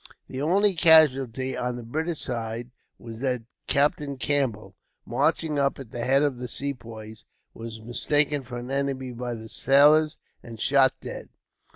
The only casualty on the British side was that Captain Campbell, marching up at the head of the Sepoys, was mistaken for an enemy by the sailors, and shot dead.